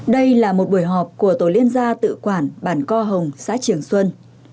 đây là một buổi họp của tổ liên gia tự quản bản co hồng xã trường xuân